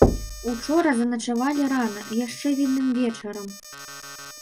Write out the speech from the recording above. Учора заначавалі рана, яшчэ відным вечарам.